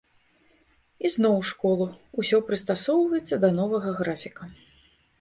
Ізноў у школу, усё прыстасоўваецца да новага графіка.